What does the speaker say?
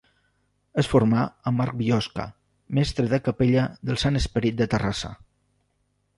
Es formà amb Marc Biosca, mestre de capella del Sant Esperit de Terrassa.